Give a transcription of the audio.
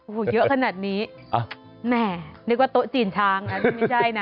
โอ้โหเยอะขนาดนี้แหมนึกว่าโต๊ะจีนช้างอันนี้ไม่ใช่นะ